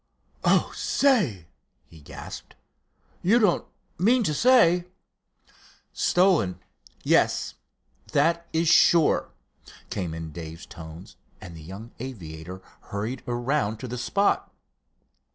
"Oh, say!" he gasped, "you don't mean to say——" "Stolen? Yes! That is sure," came in Dave's tones, and the young aviator hurried around to the spot.